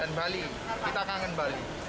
dan bali kita kangen bali